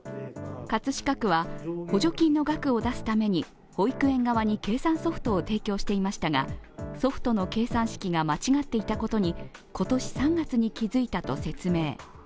葛飾区は補助金の額を出すために保育園側に計算ソフトを提供していましたが、ソフトの計算式が間違っていたことに今年３月に気づいたと説明。